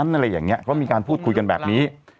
ก็มีการพูดคุยกันแบบนี้เค้ามีการพูดคุยกันแบบนี้